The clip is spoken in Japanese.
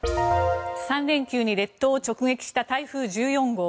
３連休に列島を直撃した台風１４号。